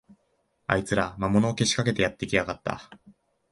あいつら、魔物をけしかけてきやがった